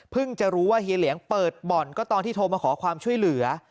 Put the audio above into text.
จะรู้ว่าเฮียเหลียงเปิดบ่อนก็ตอนที่โทรมาขอความช่วยเหลือ